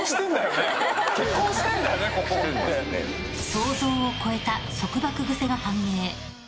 想像を超えた束縛癖が判明。